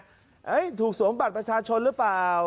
ความเอกใจใช่ไหมถูกสวมบัตรประชาชนหรือเปล่า